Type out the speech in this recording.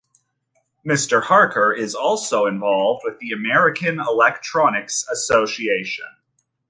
Mr. Harker is also involved with the American Electronics Association.